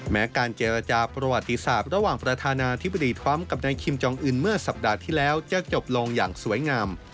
แม้การเจรจาประวัติศาสตร์ระหว่างประธานาธิบดีทรัมป์กับนายคิมจองอื่นเมื่อสัปดาห์ที่แล้วจะจบลงอย่างสวยงาม